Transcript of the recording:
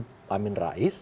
artinya sikap dari amin rais